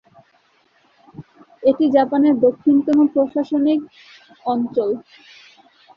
এটি জাপানের দক্ষিণতম প্রশাসনিক অঞ্চল।